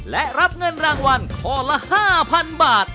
และรับเงินรางวัลข้อละ๕๐๐๐บาท